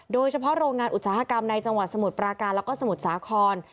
โดยเฉพาะโรงงานอุตสาหกรรมในสมุดประการและสมุดสาขอน